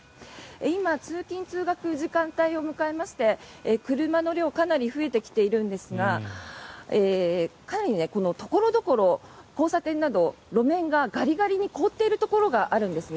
今、通勤・通学時間帯を迎えまして車の量かなり増えてきているんですがかなり所々、交差点など路面がガリガリに凍っているところがあるんですね。